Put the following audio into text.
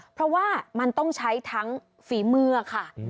เพราะว่ามันต้องใช้ทั้งฝีมือค่ะ